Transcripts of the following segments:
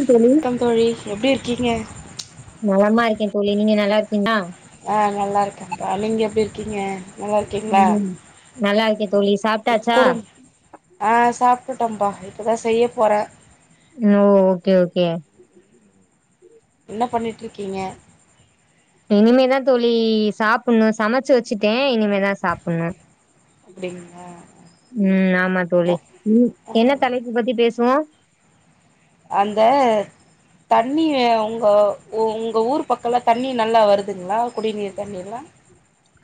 ம் தோழி கம் தோழி எப்டி இருக்கீங்க நலமாருக்கே தோழி நீங்க நல்லா இருக்கீங்ளா ஆ நல்லா இருக்கேன்ப்பா நீங்க எப்டி இருக்கீங்க நல்லா இருக் ம் நல்லாருக்கே தோழி சாப்ட்டாச்சா குடும் ஆ சாப்புட்டுட்டேம்ப்பா இப்போ தா செய்ய போற ஓ ஓகே ஓகே என்ன பண்ணிட்ருக்கீங்க இனிமேதா தோழி சாப்பிட்ணு சமைச்சு வச்சுட்டே இனிமேதா சாப்பிட்ணு அப்டிங்களா ம் ஆமா ஓ தோழி ம் ஓ என்ன தலைப்பு பத்தி பேசுவோ அந்த தண்ணி உங்க உங்க ஊர் பக்கல்லா தண்ணி நல்லா வருதுங்ளா குடிநீர் தண்ணில்லா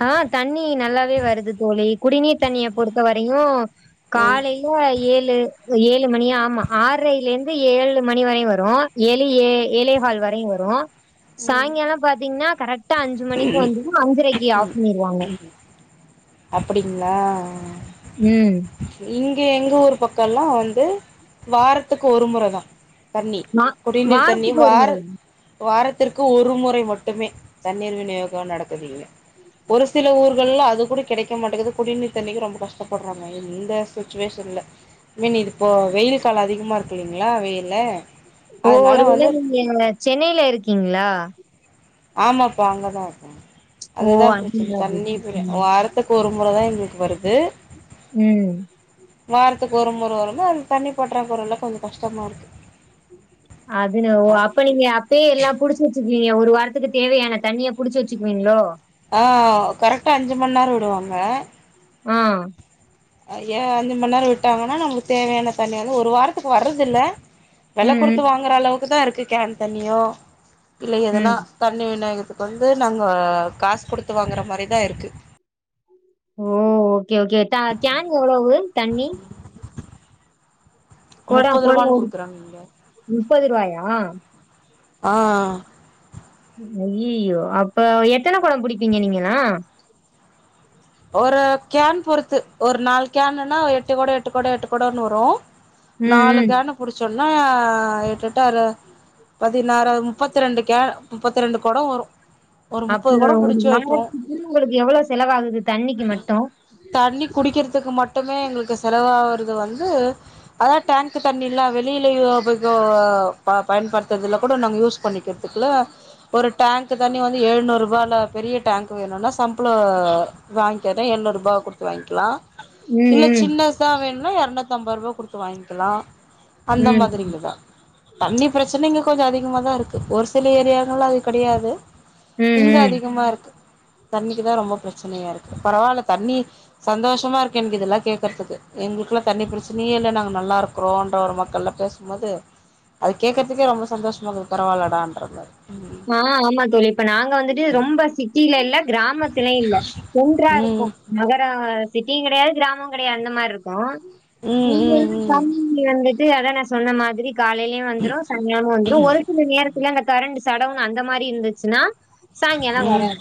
ஆ தண்ணி நல்லாவே வருது தோழி குடிநீர் தண்ணிய பொறுத்த வரையு ம் காலை ல ஏழு ஏழு மணியா ஆமா ஆர்றைல இருந்து ஏழு மணி வரயு வரு ஏழு ஏ ஏழேஹால் வரையு வரு ம் சாய்ங்கால பாத்திங்னா கரெக்டா அஞ்சு மணிக்கு வந்துரு அஞ்சரைக்கு ஆஃப் பண்ணிருவாங்க அப்படிங்ளா ம் இங்க எங்க ஊர் பக்க எல்லா வந்து வாரத்துக்கு ஒரு முறைதா தண்ணி வா குடிநீர் தண்ணி வாரத்துக்கு ஒரு வார முறை. வாரத்திற்கு ஒரு முறை மட்டுமே தண்ணீர் விநியோக நடக்குது இங்க ஒரு சில ஊர்கள்ல அது கூட கெடைக்க மாட்டேங்கது குடிநீர் தண்ணிக்கு ரொம்ப கஷ்டப்படுறாங்க இந்த சுச்சுவேஷன்ல ஏன் இதுப்போ வெயில் கால அதிகமா இருக்கு இல்லைங்ளா வெயில்ல ஓ அதனால ஒருவேள வந்து நீங்க சென்னைல இருக்கிங்ளா ஆமாப்பா அங்கதா இருக்க ஓ! அதுதா பிரச்சனை அதுனால அப்டி இருக்கு. தண்ணிப்ப ம். வாரத் துக்கு ஒருமுறைதா எங்களுக்கு வருது ம் வாரத்துக்கு ஒரு முறை வரும்ம அது தண்ணி பற்றாக்குறல கொஞ்ச கஷ்டமா இருக்கு அது ந ஒ அப் ப நீங்க அப்பயே எல்லா புடிச்சு வெச்சுக்குவிங்க ஒரு வாரத்துக்கு தேவையான தண்ணிய புடிச்சு வெச்சுக்குவிங்ளோ ஆ கரெக்டா அஞ்சு மண் நேர விடுவாங்க ஆ ஏ அஞ்சு மண்நேர விட்டாங்கன்னா நம்மளுக்கு தேவையான தண்ணி வந்து ஒரு வாரத்துக்கு வர்றதில்ல வெல ம், குடுத்து ம், வாங்கற அளவுக்குதா இருக்கு கேன் தண்ணியோ இல்ல எதுனா ம். தண்ணி விநியோகத்துக்கு வந்து நாங்க காசு குடுத்து வாங்கற மாரிதா இருக்கு ஓ ஓகே ஓகே கேன் எவ்வளவுங்க தண்ணி குடம் முப்பது குடம் ருவான்னு ஒரு குடுக்குறாங்க இங்க ரூ. ஆ ஐயயோ அப்ப எத்தனை கொட புடிப்பிங்க நீங்கல்லா ஒரு கேன் பொறுத்து ஒரு நாலு கேனுன்னா எட்டு கொட எட்டு கொட எட்டு கொடன்னு வரு ம், நாலு ம். கேன புடிச்சோனா எட்டெட்டு அறு பதினாறு முப்பத்தி ரெண்டு கே முப்பத்தி ரெண்டு கொட வரு ஒரு முப்பது அப்பன கொடோ ஒரு புடிச்சு வைப்போ வாரத்துக்கு உங்களுக்கு எவ்வள செலவாகுது தண்ணிக்கு மட்டு தண்ணி குடிக்கிறதுக்கு மட்டுமே எங்களுக்கு செலவாகறது வந்து அதா டேங்க்கு தண்ணில்ல வெளியில பயன்படுத்துதுல கூட நாங்க யூஸ் பண்ணிக்கற துக்குல ஒரு டேங்க்கு தண்ணி வந்து ஏழ்நூறுபால பெரிய டேங்க் வேணுனா சம்ப்ள வாங்க்கன ஏழ்நூறுபாவ குடுத்து வாங்க்கலா இல்ல ம், சின்ன துதா வேணுனா எரநூத்தம்பதுருபா குடுத்து வாங்க்கலா அந்த ம், ம். மாதிரிங்கதா தண்ணி பிரச்சன இங்க கொஞ்ச அதிகமாதா இருக்கு ஒரு சில ஏரியாங்கலா அது கெடையாது ம் இங்க ம் அதிகமா இருக்கு தண்ணிக்குதா ரொம்ப பிரச்சனையா இருக்கு பரவால தண்ணி சந்தோஷமா இருக்கு எனக்கு இதெல்லா கேக்குறதுக்கு எங்களுக்குல்லா தண்ணி பிரச்சனையே இல்ல நாங்க நல்லாருக்றோன்ற ஒரு மக்கள பேச ம்போது அது கேக்குறதுக்கே ரொம்ப சந்தோஷமாக்குது பரவாலடான்ற மா ஆ ஆமா தோழி இப்ப நாங்க வந்துட்டு ரொம்ப சிட்டில இல்ல கிராமத்துலயு இல்ல ஒன்றா இருக்கோ ம் ம் நகர சிட்டியு கெடையாது கிராமோ கெடையாது அந்த மார்ருக்கோ இங்கல்லா ம் ம் தண்ணி வந்துட்டு அதா நா சொன்ன மாதிரி காலைலயு வந்துரு சனியானா வந்துரு ஒரு சில நேரத்துல அந்த கரண்ட் சடவுன் அந்த மாரி இருந்துச்சுனா ம் சாய்ங்காலோ ம் வராது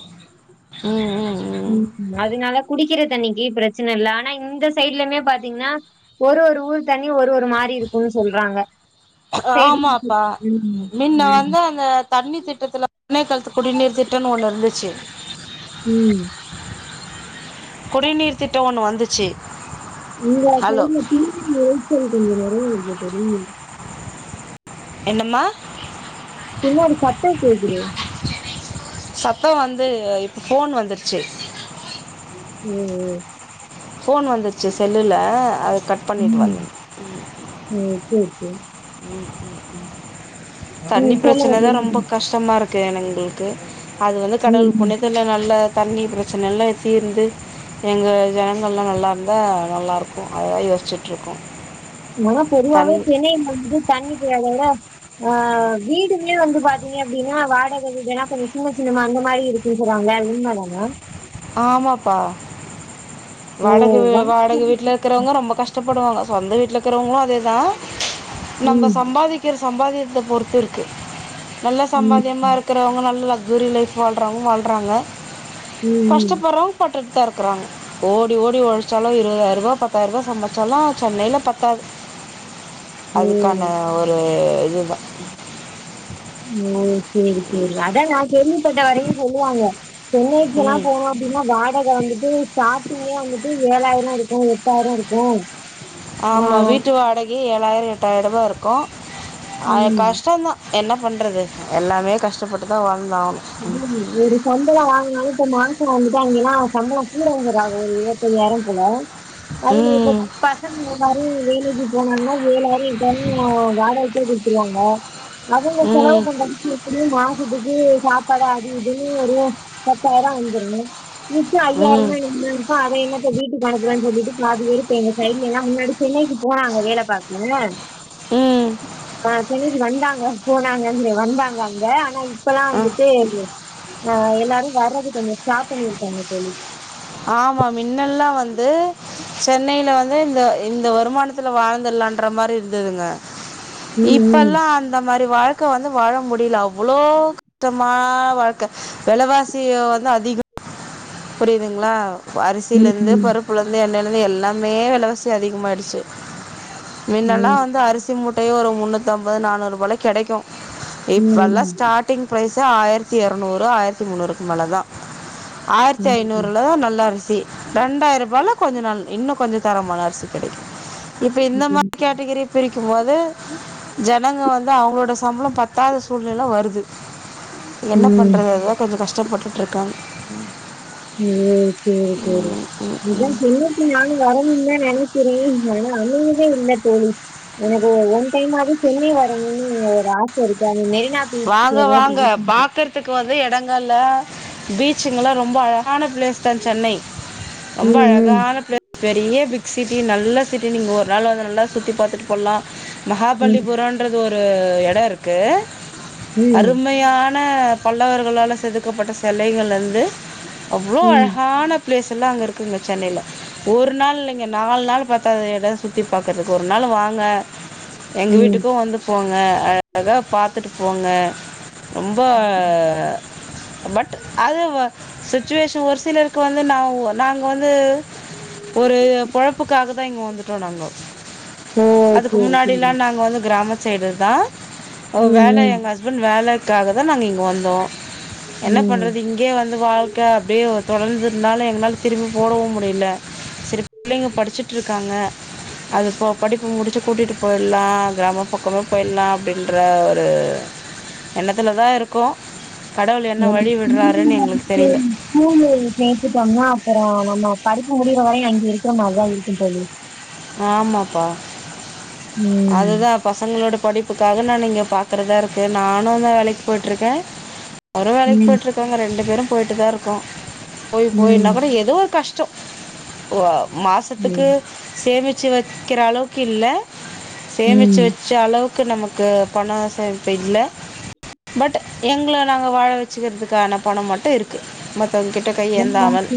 ம் ம் ம் அதுனால குடிக்கற தண்ணிக்கு பிரச்சனை இல்ல ஆனா இந்த சைட்லயுமே பாத்தீங்கனா ஒரு ஒரு ஊர் தண்ணியு ஒரு ஒரு மாரி இருக்குன்னு சொல்றாங்க சைடு ஆமாப்பா ம் மின்ன ம் வந்து அந்த தண்ணி திட்டத்துல பண்டயக்காலத்து குடிநீர் திட்டோனு ஒன்னு இருந்துச்சு ம் குடிநீர் திட்டோ ஒண்ணு வந்து உங்க கைல தின்னடி எழுச்சல் கொஞ்சோ நெறைய இருக்கு தோழி என்னம்மா பின்னாடி சத்தோ கேக்குது சத்தோ வந்து இப் போன் வந்துருச்சு ம் ம் போன் வந்துச்சு செல்லுல அத கட் பண்ணிட்டு வந்தே ம் ம் செரி செரி ம் தண்ணி ம் சொல்லுங்க பிரச்சன தா புரியுது. ரொம்ப கஷ் டமா இருக்கு எங்களுக்கு அது வந்து ம் கடவுள் ம். புண்ணியத் துல நல்ல தண்ணி பிரச்சன எல்லா தீர்ந்து எங்க ஜனங்கல்லா நல்லா இருந்தா நல்லா இருக்கு அதா யோசிச்சுட்டு இருக்கோ ஆனா பொதுவாவே சென்னை வந்துட்டு தண்ணி தெரியாத விட ஆ வீடுமே வந்து பாத்தீங்க அப்டினா வாடக வீடெல்லா கொஞ்சோ சின்ன சின்ன மாரி மாரி இருக் இருக்கறாங்க உண்மததா ஆமாப்பா ஓ வாடக வாடகை வாடக வீட்ல இர் வீடு. இருக்கறவங்க ரொம்ப கஷ்டப்படுவாங்க சொந்த வீட்ல இருக்கிறவங்களு அதேதா நம்ப ம் சம்பாதிக் கிற சம்பாதியத்த பொறுத்து இருக்கு நல்ல ம் சம்பாதியமா ம் இருக் க்கிறவுங்க நல்லா ஃகிரி லைஃப் வாழ்றவ்ங்க வாழ்றாங்க ம் பொறம்பட்டுட்தா இருக்கிறாங்க ஓடி ஓடி ஒழச்சாலு இருவதாயிருவா பத்தாயிருவா சம்பாச்சாலு சென்னையில பத்தாது அதுக்கான ஓ ஒரு இது ஓ சேரி சேரி அதா நா கேள்விப்பட்ட வரையு சொல்லுவாங்க சென்னைக்குல்லா ம் போனோ அப்டினா வாடக வந்துட்டு சாப்பிங்கே வந்துட்டு ஏழாயிரோ இருக்கு எட்டாயிரோ இருக்கு ஆ ஆமா வீட்டு வாடகயே ஏழாயிரோ எட்டாயிருபா இருக்கு அ ம் கஷ்டோந்தா என்ன பண்றது எல்லாமே கஷ்டப்பட்டுதா வாழ்ந்தாவ்னு எதிலுமே ஓரு சம்பளோ வாங்னாலு இப்ப மாச வந்துட்டா அங்கனா சம்பளம் கூட வாங்கறா ஒரு இருவத்தய்யாயிரோ போல அதுல இப்ப ம் பசங்க எல்லாரு வேலக்கி போனானா ஒரு ஏழாயி [unintelligible] வாடகைக்கே குட்த்துருவாங்க அவுங்க செலவு ம் பண்றது எப்டியு மாசத்துக்கு சாப் பாடு அது இதுனு ஒரு பத்தாயிரோ வந்துரு மிச்சோ அயாயிரோம் ம் னா என்ன ஆ அத என்னத்த வீட்டுக்கு அனுப்பனு சொல்லிட்டு பாதி பேரு இருக்கு எங்க சைடுலன்னா முன்னாடி சென்னைக்கு போனாங்க வேல பாக்க ம் ஆ சென்னைக்கு வந்தாங்க போனாங்க வந்தாங்க அங்க ஆனா இப்பல்லா ஆ வந்து ட்டு ஆ எல்லாரு வர்ரது கொஞ்சோ ஸ்டாப் பண்ணியிருக்காங்க தோழி ஆமா மின்னல்லா வந்து சென்னையில வந்து இந்த இந்த வருமானத்துல வாழ்ந்தறலா மாரி இருந்ததுங்க ம் இப்பல்லா அந்த மாரி வாழ்க் க்க வந்து வாழ முடியல அவ்ளோ கஷ்டமா வாழ்க்க வெலவாசி வந்து அதிகோ புரியுதுங்களா ம் அரிசியிலேருந்து ம் பருப்புலேருந்து எண்ணெய்லேருந்து எல்லாமே வெலவாசி அதிகமாகாயிடுச்சு மின்னெல்லா ம் வந்து அரிசி மூட் டையோ ஒரு முன்னூத்தி ஐம்பது நானூறு ரூபாயில கெடைக்கு ம் இப்பல்லா ஸ்டார்ட் டிங் ப்ரைஸ்சே ஆயிரத்தி இருநூறு ஆயிரத்தி முன்னூறுக்கு மேல தா ஆ யிரத்தி ம் ஐநூறுலதா நல்ல அரிசி ரெண்டாயி ரூபாலா கொஞ்ச நாள் இன்னு கொஞ்சோ தரமான அரிசி கெடைக்கு இப்ப ம் இந்த ம் மாதிரி கேட்டகிரி பிரிக்கும் போது ஜனங்க வந்து அவங்களோட சம்பளோ பத்தாத சூழ்நிலை வருது என்ன ம் பண்றது அதுதா கொஞ்சோ கஷ்டப்பட்டுட்டு இருக்கங்க ம் சேரி சேரி அதா ச க்கிங்லான்னு வரணுன்தா நெனைக்கிறே ஆனா அமையவே இல்ல தோழி எனக்கு ஒன் டைமாது சென்னை வரணன்னு ஒரு ஆசை இருக்கு அந்த மெரினா பீச் வாங்க எதோ வாங்க பாக்க த்துக்கு வந்து எடங்கள்ள பீச்சுங்கலா ரொம்ப அழகான பிளேஸ் தா சென்னை ரொம்ப ம், அழகான பிளேஸ் பெரிய பிக் சிட்டி நல்ல சிட்டி நீங்க ஒரு நாள் வந்து நல்லா சுற்றி பாத்துட்டு போலா ம், மகாபலிபுரோன்றது ஒரு எடோருக்கு ம், ம், அருமையான பல்லவர்களால்ல செதுக்கப்பட்ட செலைகள்லந்து அவ்ளோ ம், அழகான ப்ளேஸ்ல்லா அங்க இருக்குங்க சென்னையில ஒரு நாள் இல்லைங்க நாலு நாள் பத்தாது எடோ சுத்தி பாக்கறதுக்கு ஒரு நாள் வாங்க எங்க ம். வீட்டுக்கு வந்து போங்க அழகா பாத்துட்டு போங்க ரொம்ப பட் அது வ சுச்சுவேஷன் ஒரு சிலருக்கு வந்து நவ் நாங்க வந்து ஒரு பொழப்புக்காக தா இங்க வந்துட்டோ நாங்கோ ஓ! அதுக்கு சரி, சரி. முன்னாடில்லா நாங்க வந்து கிராம சைடு தா ஒ ம், வேல ம், எங்க ஹஸ்பண்ட் வேலக்காக தா நாங்க இங்க வந்தோ என்ன ம். பண்றது இங் இங்கே வந்து வாழ்க்க அப்படியே தொடர்ந்ததுனால எங்களால திரும்பி போடவு முடியல செரி புள்ளைங்க படிச்சுட்டு இருக்காங்க அது போ படிப்பு முடிச்சு கூட்டிட்டு போயிர்லா கிராம பக்கமே போயிர்லா அப்படின்னு ற்ற ஒரு எண்ணத்துல தா இருக்கோ கடவுள் என்ன ஆமா. வழி பிள்ளைங்கள விடுறாருன்னு எங்களுக்கு வந்துட்டு தெரியல ஸ்கூலு சேத்துட்டோன்னா அப்புறோ நம்ம படிப்பு முடியிற வரையு அங்கேருக்குற மாரிதா இருக்கு தோழி ஆமாப்பா ம், அதுதா பசங்களோட படிப்புக்காக நான் இங்க பாக்கறதா இருக்கு நானு தா வேலைக்கி போயிட்டுருக்கே அவரு வேலைக்கி ம், போயிட்டுருக்காங்க ரெண்டு பேரு போயிட்டு தா இருக்கோ போய் போயினா ம், கூட எதோ கஷ்டோ ஒ அ மாசத்துக்கு ம், சேமிச்சு வைக்கிற அளவுக்கில்ல ம். சேமித்து வச்ச அளவுக்கு நமக்கு பணோ சேமிப்பு இல்ல பட் எங்கள நாங்க வாழ வச்சுக்கிறதுக்கான பணம் மட்டு இருக்கு கு மத்தவங்கக்கிட்ட கை ஏந்தாமல்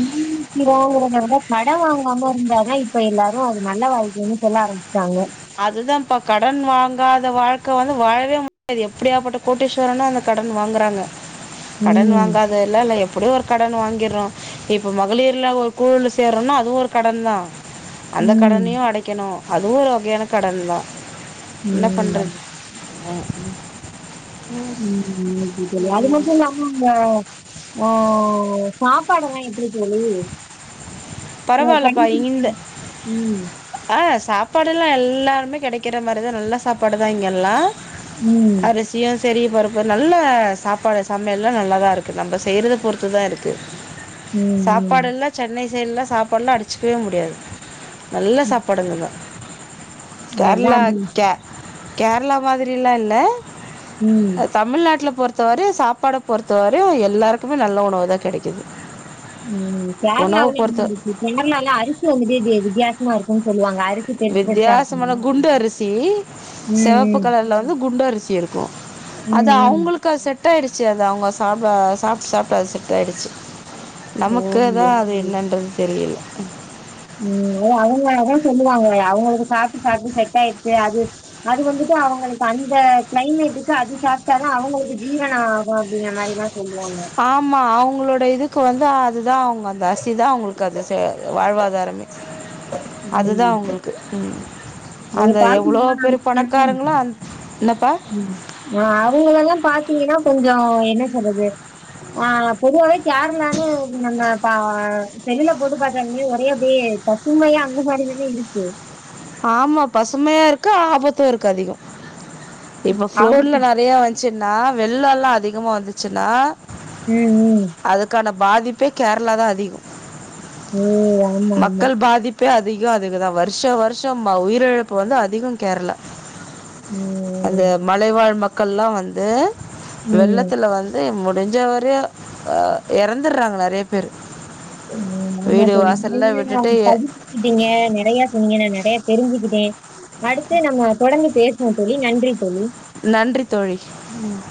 இங்கவங்கறதவிட கட வாங்காம இருந்தாதா இப்ப எல்லாரு அது நல்ல வாழ்க்கைன்னு சொல்ல ஆரம்மிச்சுட்டாங்க அதுதாப்பா கடன் வாங்காத வாழ்க்க வந்து வாழவே முடியாது எப்படியாப்பட்ட கோட்டீஸ்வரனு அந்த கடன் வாங்கறாங்க கடன் ம். வாங்காத எல்லா இல்வ எப்படி ஒரு கடன் வாங்கிர்றோ இப்ப மகளிர்ல ஒரு குழுல சேர்றோம்னா அதுவோரு கடன் தா அந்த ம். கடனையும் அடைக்கணு அதுவும் ஒர் வகையான கடன் தா இன்ன ம். பண்றது ம் ம் இது இது வேல மட்டு தா நம்ப ஆ சாப்பாடுலா எப்பிடி தோழி நா கட்டி பரவாயில்லப்பா இந்த குடுத்துடுவ ம் ஆ சாப்பாடுலா எல்லாருமே கெடைக்கிற மாரிதா நல்லா சாப்பாடு தா இங்கெல்லா ம். ம். அரிஸ் சியும் சரி பருப்பு நல்ல சாப்பாடு சமையல்லா நல்லா தா இருக்கு நம்ப செய்றத பொறுத்து தா இருக்கு ம் சாப்பாடுல்லா சென்னை சைட்லா சாப்பாட்லா அடிச்சக்கவே முடியாது நல் ம். சாப்பாடுங்க தா அதான் கேர்ளா அது. கே கேர்ளா மாதிரில்லா இல்ல ம் தமிழ்நாட்ல பொறுத்த வரையும் சாப்பாட பொறுத்த வரையும் எல்லாருக்குமே நல்ல உணவு தா கெடைக்குது ம் கேர்ளாவ்ல எங்குட்டு இருக்கு கேர்ளால அரிசே வந்துட்டு வித்தியாசமா இருக்கும்ன்னு சொல்லுவாங்க அரிசி பெருசு பெருசா இருக்கும். வித்தியாசமால குண்டு அரிசி ம். செவப்பு ம். கலர்ல வந்து குண்டு அரிசி இருக்கு ம் ம் அக்கா செட் ஆயிடுச்சு அது அவங்க சாப்ட சாப்ட்டு சாப்ட்டு அது செட் ஆயிடுச்சு நமக்குல ஓ! தா அது என்னன்றது தெரியில்ல ம் அது அவங்ளா அதா சொல்லுவாங்க அவங்களுக்கு சாப்ட்டு சாப்ட்டு செட் ஆயிடுச்சு அது அது வந்துட்டு அவங்களுக்கு அந்த கிளைமேட்டுக்கு அது சாப்ட்டா தா அவங்களுக்கு ஜீரனம் ஆகும் அப்படிங்ற மாரிலா சொல்வாங்க ஆமா அவுங்களோட இதுக்கு வந்து அது தா அவுங்க அந்த அர்சி தா அவுங்குள்க்கு அது வாழ்வாதாரமே அதுதா ம். அவுங்களுக்கு நீங்க அந்த எவ்ளோ பாத்தீங்கன்னா பெரு பணக்காரங்களோ அந் என்னப்பா ம் ஆ அவங்களெல்லா பாத்தீங்கன்னா கொஞ்சோ என்ன சொல்றது ஆ பொதுவாவே கேரளான்னு நம்ம பா செல்லுல போட்டு பாத்தால்மே ஒரே அப்டியே இல்லயா அங்க சரிக்கின்னு வந்துச்சி ஆமா பசுமையா இருக்கு ஆபத்தும் இருக்கு அதிகம் இப்ப ஆபத்து ஃப்ளோர்ல நெறைய ச்சுன்னா வெள்ளோல்லா அதிகமா வந்துச்சுன்னா ம் ம் அதுக்கான பாதிப்பே கேர்ளா தா அதிகோ ஓ ஆமா, ஆமா. மக்கள் பாதிப் ப்பே அதிகம் அதுக்குதா வருஷோ வருஷோ உயிரிழப்பு வந்து அதிகம் கேர்ளா ம் அந்த மலைவாழ் மக்கள்ல்லா வந்து ம். வெள்ளத்துல வந் து முடிஞ்ச வர்ற எறந்துறாங்க நெறைய ம் ஆமா தோழி நீங்க வாசல்லாம் என்ன விட்டுட்டு எ படிப் ங்க நெறைய சொன்னீங்க நா நெறைய தெரிஞ்சுக்கிட்டே அடுத்து நம்ம தொடர்ந்து பேசுவோம் தோழி நன்றி தோழி நன்றி தோழி ம்